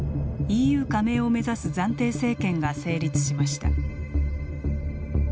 ＥＵ加盟を目指す暫定政権が成立しました。